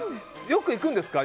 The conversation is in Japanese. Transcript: よく行くんですか？